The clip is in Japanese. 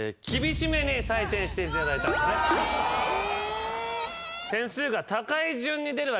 え！